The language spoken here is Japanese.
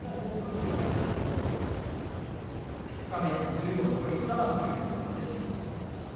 十両残り２番というところまで進行してきました。